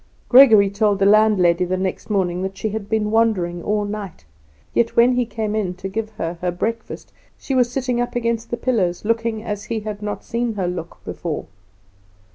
Gregory told the landlady the next morning that she had been wandering all night. Yet, when he came in to give her her breakfast, she was sitting up against the pillows, looking as he had not seen her look before.